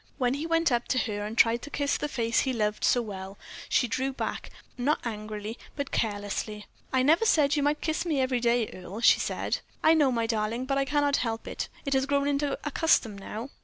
When he went up to her and tried to kiss the face he loved so well, she drew back, not angrily, but carelessly. "I never said you might kiss me every day, Earle," she said. "I know, my darling, but I cannot help it. It has grown into a custom now."